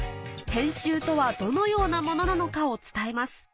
編集とはどのようなものなのかを伝えます